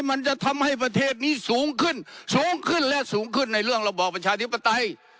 มันจะทำให้ประเทศนี้สูงขึ้นสูงขึ้นและสูงขึ้นในเรื่องระบอบประชาธิปไตย